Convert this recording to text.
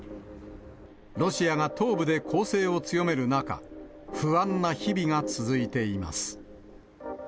ロシアが東部で攻勢を強める中、不安な日々が続いています。